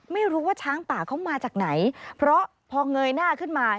ไม่รู้ว่าช้างป่าเขามาจากไหนเพราะพอเงยหน้าขึ้นมา